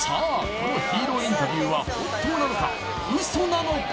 このヒーローインタビューは本当なのか？